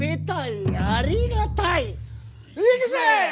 いくぜ！